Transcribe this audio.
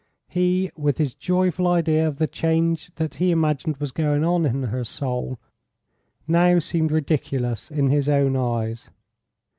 He, with his joyful idea of the change that he imagined was going on in her soul, now seemed ridiculous in his own eyes.